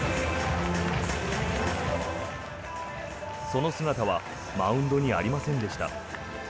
その姿はマウンドにありませんでした。